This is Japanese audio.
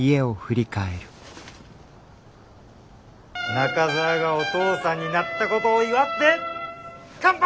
・仲澤がお父さんになったことを祝って乾杯！